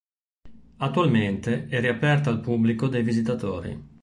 Attualmente è riaperta al pubblico dei visitatori.